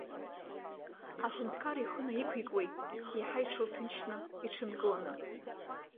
Аҳәынҭқар ихы наиқәикуеит, иаҳа иҽырҭынчны, иҽынкыланы.